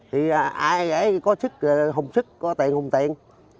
thì ai ấy có sức không sức có tiền không tiền